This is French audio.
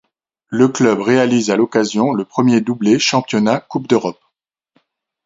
Le club réalise à l'occasion le premier doublé Championnat-Coupe d'Europe.